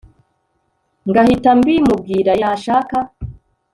ngahita mbimubwira yashaka